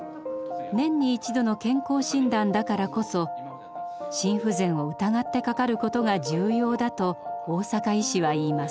年に一度の健康診断だからこそ心不全を疑ってかかることが重要だと大坂医師はいいます。